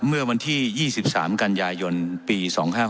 เมื่อวันที่๒๓กันยายนปี๒๕๖๖